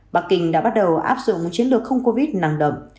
bắc kinh đã bắt đầu áp dụng một chiến lược không covid năng động